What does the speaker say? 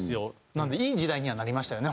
なのでいい時代にはなりましたよね